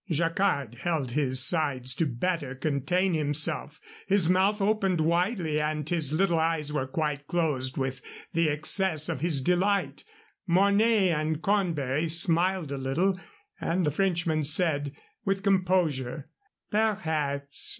Jacquard held his sides to better contain himself; his mouth opened widely and his little eyes were quite closed with the excess of his delight. Mornay and Cornbury smiled a little, and the Frenchman said, with composure: "Perhaps.